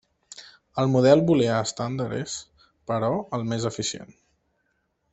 El Model Booleà estàndard és, però, el més eficient.